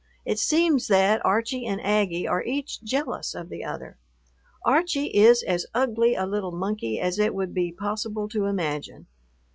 It seems that Archie and Aggie are each jealous of the other. Archie is as ugly a little monkey as it would be possible to imagine.